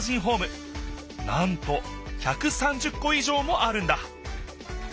なんと１３０こいじょうもあるんだ